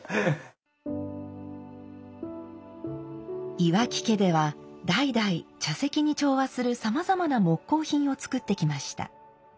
岩木家では代々茶席に調和するさまざまな木工品を作ってきました。